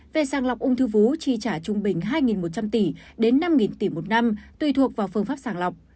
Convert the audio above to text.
về sàng lọc ung thư vú chi trả trung bình hai một trăm linh tỷ đến năm tỷ một năm tùy thuộc vào phương pháp sàng lọc